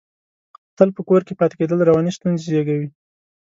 تل په کور کې پاتې کېدل، رواني ستونزې زېږوي.